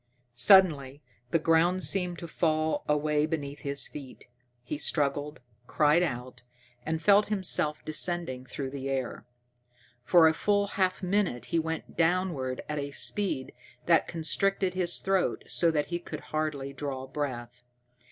Suddenly the ground seemed to fall away beneath his feet. He struggled, cried out, and felt himself descending through the air. For a full half minute he went downward at a speed that constricted his throat so that he could hardly draw breath.